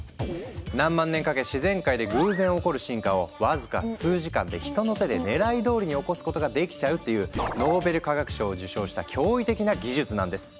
何万年かけ自然界で偶然起こる進化をわずか数時間で人の手で狙い通りに起こすことができちゃうっていうノーベル化学賞を受賞した驚異的な技術なんです。